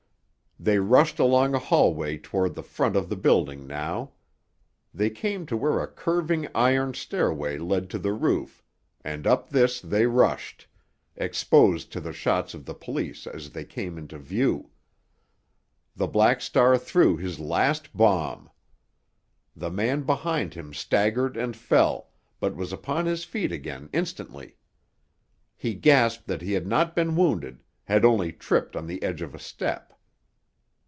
They rushed along a hallway toward the front of the building now. They came to where a curving iron stairway led to the roof, and up this they rushed, exposed to the shots of the police as they came into view. The Black Star threw his last bomb. The man behind him staggered and fell, but was upon his feet again instantly. He gasped that he had not been wounded, had only tripped on the edge of a step.